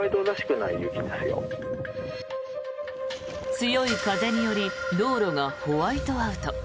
強い風により道路がホワイトアウト。